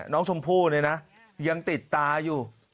น้องชมผู้ยังติดตายู